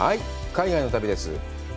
海外の旅です。